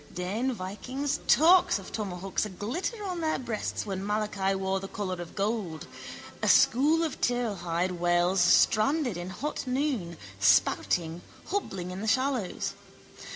Dane vikings, torcs of tomahawks aglitter on their breasts when Malachi wore the collar of gold. A school of turlehide whales stranded in hot noon, spouting, hobbling in the shallows.